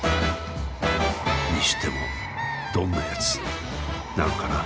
にしてもどんなやつなのかな？